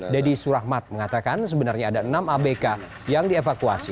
deddy surahmat mengatakan sebenarnya ada enam abk yang dievakuasi